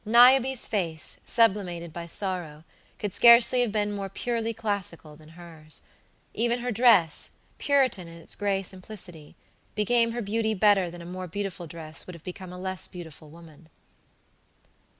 Niobe's face, sublimated by sorrow, could scarcely have been more purely classical than hers. Even her dress, puritan in its gray simplicity, became her beauty better than a more beautiful dress would have become a less beautiful woman.